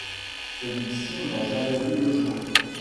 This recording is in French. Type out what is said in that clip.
Celui-ci n'a jamais vu le jour.